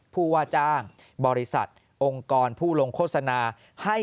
ผู้ว่าจ้างบริษัทองค์กรผู้ลงโฆษณาให้